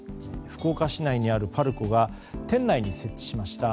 福岡市内にあるパルコが店内に設置しました